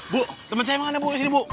bu temen saya mana bu disini bu